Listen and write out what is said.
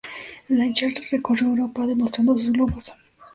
Blanchard recorrió Europa, demostrando sus globos.